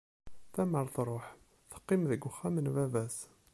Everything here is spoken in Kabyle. Tamar tṛuḥ, teqqim deg wexxam n baba-s.